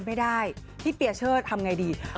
ไม่ได้พี่เปียเชิดทำไงดี